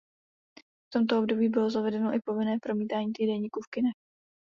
V tomto období bylo zavedeno i povinné promítání týdeníku v kinech.